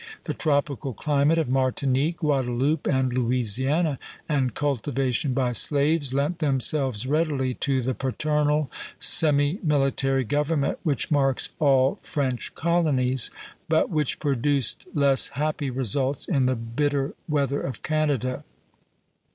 The tropical climate of Martinique, Guadeloupe, and Louisiana, and cultivation by slaves, lent themselves readily to the paternal, semi military government which marks all French colonies, but which produced less happy results in the bitter weather of Canada.